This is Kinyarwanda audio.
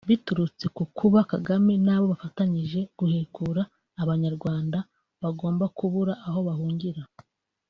biturutse ku kuba Kagame n’abo bafatanyije guhekura abanyarwanda bagomba kubura aho bahungira